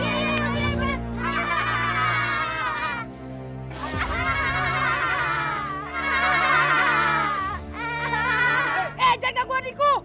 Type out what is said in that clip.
jangan kagum adikku